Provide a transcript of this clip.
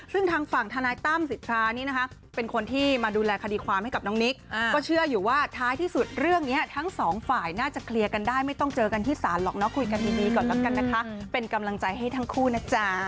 ซึ่งทางฝั่งธนายตั้มสิทธานี่นะคะเป็นคนที่มาดูแลคดีความให้กับน้องนิกก็เชื่ออยู่ว่าท้ายที่สุดเรื่องนี้ทั้งสองฝ่ายน่าจะเคลียร์กันได้ไม่ต้องเจอกันที่ศาลหรอกเนาะคุยกันดีก่อนแล้วกันนะคะเป็นกำลังใจให้ทั้งคู่นะจ๊ะ